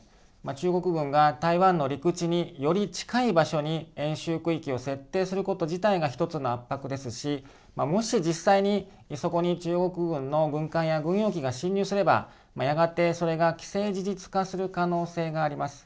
中国軍が台湾の陸地により近い場所に演習区域を設定すること自体が一つの圧迫ですしもし実際に、そこに中国軍の軍艦や軍用機が進入すればやがて、それが既成事実化する可能性があります。